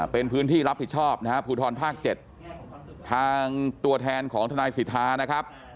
เป็นพื้นที่รับผิดชอบนะฮะภูทรภาค๗ทางตัวแทนของทนายสิทธานะครับ